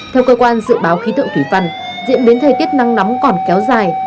theo cơ quan dự báo khí tượng thủy văn diễn biến thời tiết nắng nóng còn kéo dài